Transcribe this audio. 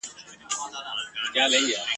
او دریځ یا ستیج خو يې ځانګړي ډګرونه دي